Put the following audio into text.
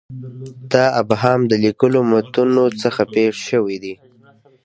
دا ابهام د لیکلو متونو څخه پېښ شوی دی.